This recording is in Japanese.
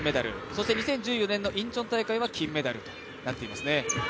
そして２０１４年インチョン大会は金メダルとなっていますね。